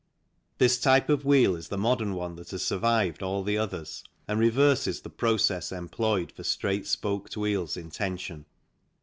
This type of wheel is the modern one that has survived all the others, and reverses the process employed for straight spoked wheels in tension.